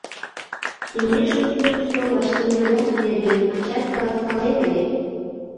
Кеҥежым Юлышто вашлиймыда нерген ачат каласкален ыле.